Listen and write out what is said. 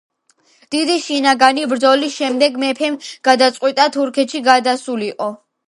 დიდი შინაგანი ბრძოლის შემდეგ, მეფემ გადაწყვიტა თურქეთში გადასულიყო.